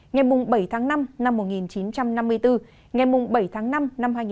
ngày bảy tháng năm năm một nghìn chín trăm năm mươi bốn ngày bảy tháng năm năm hai nghìn hai mươi bốn